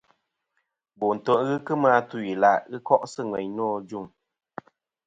Bo ntè' ghɨ kemɨ atu-ila' ghɨ ko'sɨ ŋweyn nô ajuŋ.